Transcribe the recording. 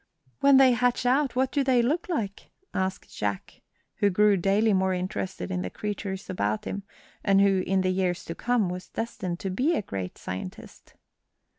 "When they hatch out, what do they look like?" asked Jack, who grew daily more interested in the creatures about him, and who, in the years to come, was destined to be a great scientist.